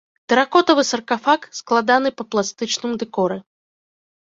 Тэракотавы саркафаг складаны па пластычным дэкоры.